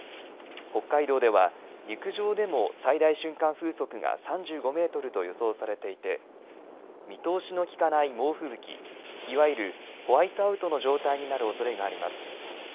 北海道では陸上でも最大瞬間風速が３５メートルと予想されていて見通しのきかない猛吹雪、いわゆるホワイトアウトの状態になるおそれがあります。